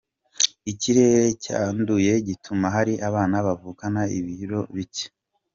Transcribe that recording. Ikirere cyanduye gituma hari abana bavukana ibilo bike